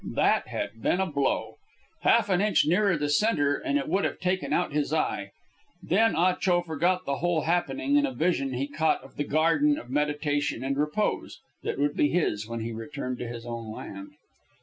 That had been a blow. Half an inch nearer the centre and it would have taken out his eye. Then Ah Cho forgot the whole happening in a vision he caught of the garden of meditation and repose that would be his when he returned to his own land.